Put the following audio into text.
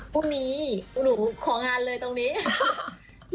พรุ่งนี้หนูของานเลยตรงนี้